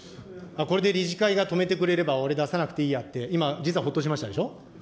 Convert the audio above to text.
これで理事会が止めてくれれば、俺出さなくていいやって、今、実はほっとしましたでしょ。